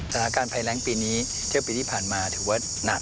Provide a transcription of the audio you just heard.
สถานการณ์ไพรงปีนี้เท่าเปรียบที่ผ่านมาถือว่าหนักครับ